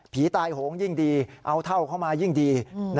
ตายโหงยิ่งดีเอาเท่าเข้ามายิ่งดี